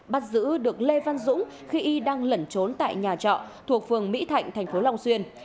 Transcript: bắt giữ được lê văn dũng khi y đang lẩn trốn tại nhà trọ thuộc phường mỹ thạnh thành phố long xuyên